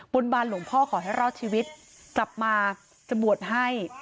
บานหลวงพ่อขอให้รอดชีวิตกลับมาจะบวชให้